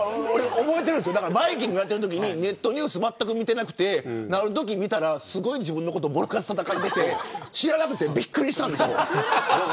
バイキングをやっているときにネットニュースまったく見ていなくてあるときに見たら自分のことぼろかす言われていて知らなくてびっくりしたんでしょ。